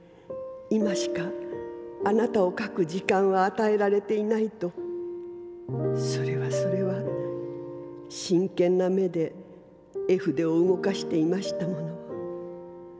今しかあなたを描く時間はあたえられていないとそれはそれは真剣な眼で絵筆を動かしていましたもの。